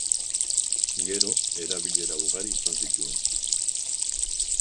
Gero, erabilera ugari izan zituen.